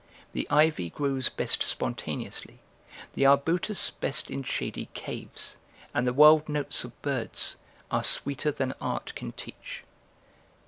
["The ivy grows best spontaneously, the arbutus best in shady caves; and the wild notes of birds are sweeter than art can teach.